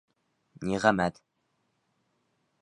Ниғәмәт